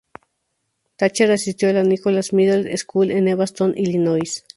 Thatcher asistió a la Nichols Middle School en Evanston, Illinois.